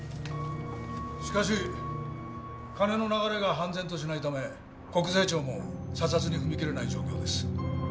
しかし金の流れが判然としないため国税庁も査察に踏み切れない状況です。